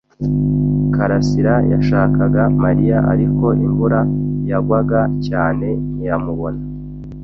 karasira yashakaga Mariya, ariko imvura yagwaga cyane ntiyamubona.